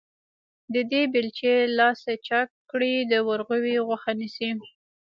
د دې بېلچې لاستي چاک کړی، د ورغوي غوښه نيسي.